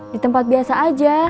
di tempat biasa aja